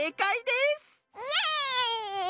イエーイ！